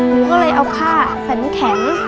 หนูก็เลยเอาค่าสันแข็ง